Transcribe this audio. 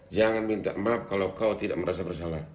jangan minta maaf kalau kau tidak merasa bersalah